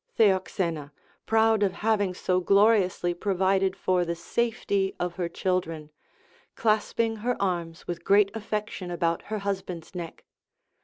Theoxena, proud of having so gloriously provided for the safety of her children, clasping her arms with great affection about her husband's neck.